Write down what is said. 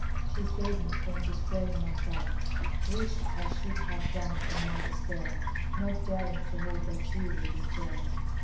She saved me from destroying myself, which I should have done in my despair, not daring to hope that you would return.